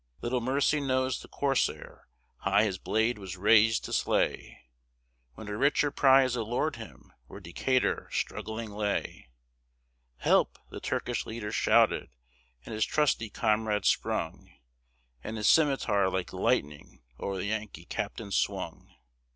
Little mercy knows the corsair: high his blade was raised to slay, When a richer prize allured him where Decatur struggling lay. "Help!" the Turkish leader shouted, and his trusty comrade sprung, And his scimetar like lightning o'er the Yankee captain swung.